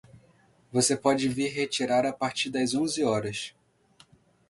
Você pode vir retirar a partir das onze horas.